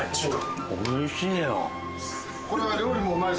おいしいよ。